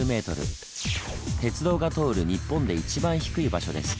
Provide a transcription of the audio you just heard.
鉄道が通る日本で一番低い場所です。